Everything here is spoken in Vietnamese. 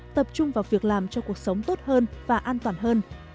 tập trung vào việc làm cho cuộc sống tốt hơn và an toàn hơn